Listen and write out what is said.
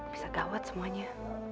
bisa gawat semuanya